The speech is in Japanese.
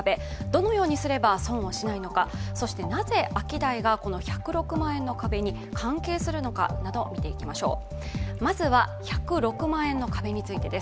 どのようにすれば損をしないのか、そしてなぜ、アキダイがこの１０６万円の壁に関係するのかなど見ていきましょう。